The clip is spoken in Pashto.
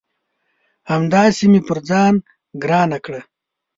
همداسي مې پر ځان ګرانه کړه